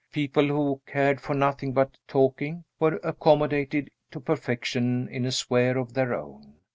People who cared for nothing but talking were accommodated to perfection in a sphere of their own.